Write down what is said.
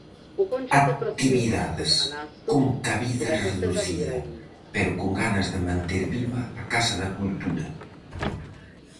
Actividades con cabida reducida, pero con ganas de manter viva a Casa da Cultura.